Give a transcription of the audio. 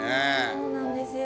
そうなんですよ。